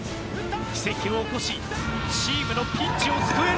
奇跡を起こしチームのピンチを救えるのか？